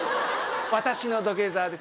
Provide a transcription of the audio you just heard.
私の土下座です。